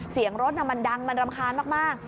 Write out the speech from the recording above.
เสียงรถมันดังมันรำคาญมาก